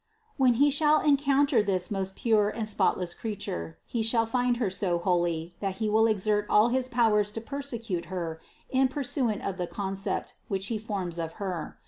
When he shall encounter this most pure and spotless Creature, he shall find Her so holy that he will exert all his powers to persecute Her in pur suance of the concept which he forms of Her.